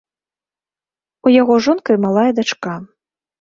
У яго жонка і малая дачка.